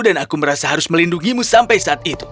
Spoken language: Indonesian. dan aku merasa harus melindungimu sampai saat ini